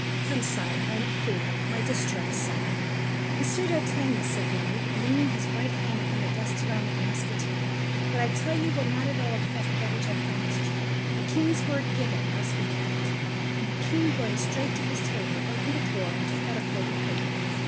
Come, sire, I am a fool! My discharge, sire!" "Monsieur d'Artagnan," said Louis, leaning his white hand upon the dusty arm of the musketeer, "what I tell you will not at all affect that which I promised you. A king's word given must be kept." And the king going straight to his table, opened a drawer, and took out a folded paper.